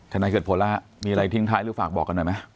นายเกิดผลแล้วมีอะไรทิ้งท้ายหรือฝากบอกกันหน่อยไหม